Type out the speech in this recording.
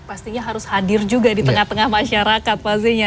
pastinya harus hadir juga di tengah tengah masyarakat pastinya